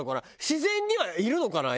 自然にはいるのかな？